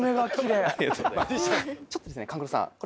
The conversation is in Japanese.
ちょっとですね勘九郎さん